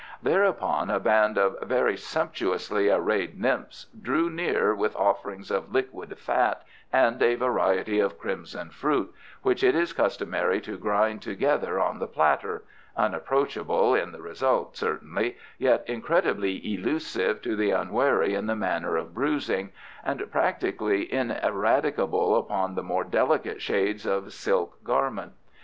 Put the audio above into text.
Thereupon a band of very sumptuously arrayed nymphs drew near with offerings of liquid fat and a variety of crimson fruit, which it is customary to grind together on the platter unapproachable in the result, certainly, yet incredibly elusive to the unwary in the manner of bruising, and practically ineradicable upon the more delicate shades of silk garment.